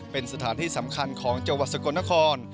เป็นสถานที่สำคัญของจังหวัดสกลนคร